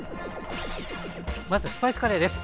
まずスパイスカレーです。